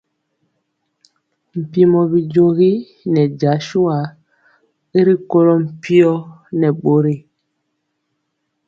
Mpiemɔ bijogi nɛ jasua y rikolɔ mpio nɛ bori.